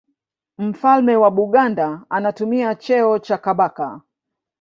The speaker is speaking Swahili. Mfalme wa Buganda anatumia cheo cha Kabaka.